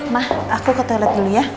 mah aku ke toilet dulu ya